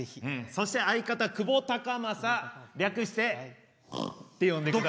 そして相方久保孝真略してゴッて呼んでください。